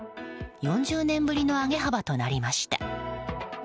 ４０年ぶりの上げ幅となりました。